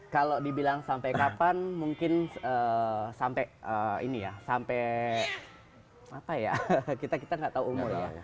kalau dibilang sampai kapan mungkin sampai ini ya sampai apa ya kita nggak tahu umur ya